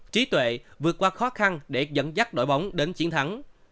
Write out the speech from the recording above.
trí tuệ vượt qua khó khăn để dẫn dắt đội bóng đến chiến thắng